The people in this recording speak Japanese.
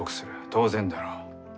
当然だろう？